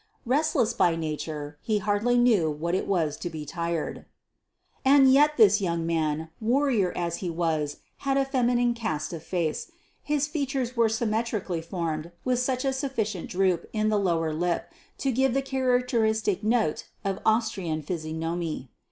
Restless by nature he hardly knew what it was to be tired." And yet this young man warrior as he was, had a feminine cast of face; his features were symmetrically formed with just sufficient droop in the lower lip to give the characteristic 'note' of Austrian physiognomy.